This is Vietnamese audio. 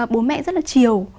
bố mẹ rất là chiều